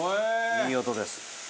いい音です。